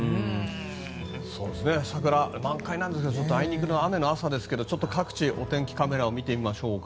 桜、満開ですがあいにくの雨の朝ですが各地、お天気カメラを見てみましょうか。